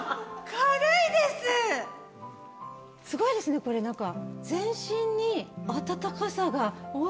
すごいですねこれ何か。